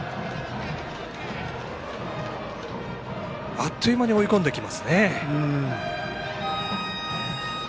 あっという間に追い込んできますね。